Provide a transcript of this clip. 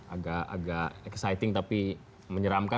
agak exciting tapi menyeramkan